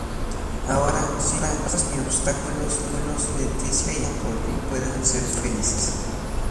Ahora, sin dudas ni obstáculos, Leticia y Eduardo por fin pueden ser felices.